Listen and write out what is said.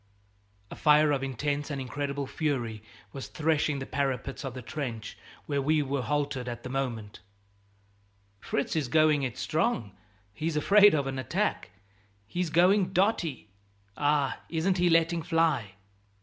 A fire of intense and incredible fury was threshing the parapets of the trench where we were halted at the moment: "Fritz is going it strong; he's afraid of an attack, he's going dotty. Ah, isn't he letting fly!"